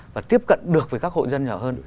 và tiếp cận được với các hộ dân nhỏ hơn